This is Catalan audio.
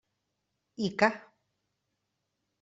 I ca!